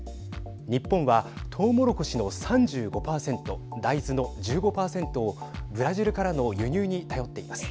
日本は、トウモロコシの３５％大豆の１５％をブラジルからの輸入に頼っています。